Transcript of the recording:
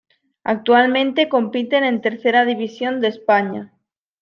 Actualmente compite en Tercera División de España.